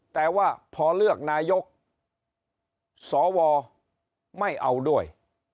แต่ว่าพอเลือกนายกสวไม่เอาด้วย